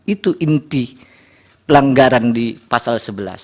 itu inti pelanggaran di pasal sebelas